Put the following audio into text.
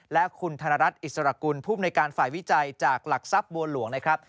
และคุณธนรัฐอิสรกุลภูมิในการฝ่ายวิจัยจากหลักทรัพย์บัวหลวงนะครับ